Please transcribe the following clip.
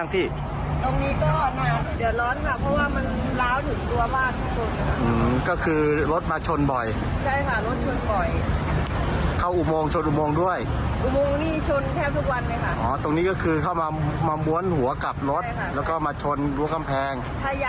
ก็อยากจะให้กับทางเจษฐาบาลช่วยยังไงบ้าง